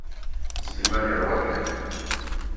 Sliman yerwa lḥif.